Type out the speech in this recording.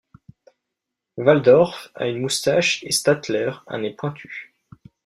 Waldorf a une moustache et Statler un nez pointu.